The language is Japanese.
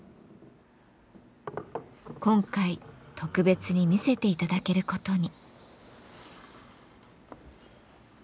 今回特別に見せていただけることに。